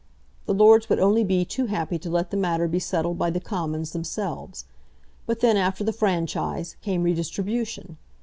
The Lords would only be too happy to let the matter be settled by the Commons themselves. But then, after the franchise, came redistribution.